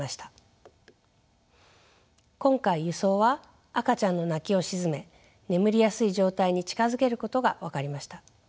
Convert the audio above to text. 今回輸送は赤ちゃんの泣きを鎮め眠りやすい状態に近づけることが分かりました。